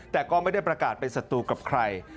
แต่ก็ไม่ได้ประกาศเป็นศัตรูกับใคร